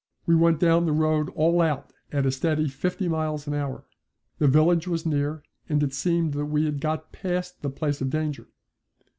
We went down the road all out at a steady fifty miles an hour. The village was near, and it seemed that we had got past the place of danger.